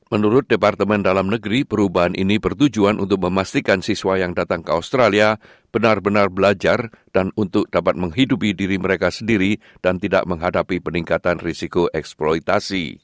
menurut departemen dalam negeri perubahan ini bertujuan untuk memastikan siswa yang datang ke australia benar benar belajar dan untuk dapat menghidupi diri mereka sendiri dan tidak menghadapi peningkatan risiko eksploitasi